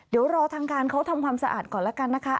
เดี๋ยวรอทางการเขาทำความสะอาดก่อนแล้วกันนะคะ